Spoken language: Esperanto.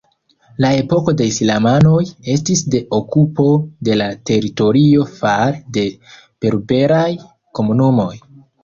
La epoko de islamanoj estis de okupo de la teritorio fare de berberaj komunumoj.